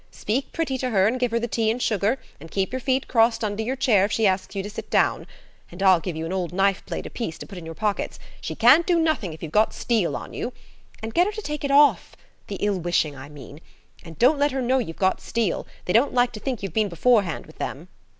Speak pretty to her and give her the tea and sugar, and keep your feet crossed under your chair if she asks you to sit down. And I'll give you an old knife blade apiece to put in your pockets; she can't do nothing if you've got steel on you. And get her to take it off–the ill wishing, I mean. And don't let her know you've got steel; they don't like to think you've been beforehand with them."